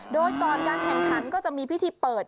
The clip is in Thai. โดยก่อนการแข่งขันก็จะมีพิธีเปิด